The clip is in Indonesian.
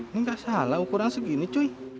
ini gak salah ukuran segini cuy